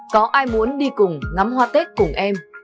có ai muốn đi cùng ngắm hoa tết cùng em